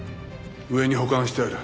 上に保管してある。